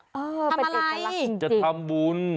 เออเป็นเอกลักษณ์จริงทำอะไรจะทำบุญ